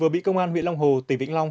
vừa bị công an huyện long hồ tỉnh vĩnh long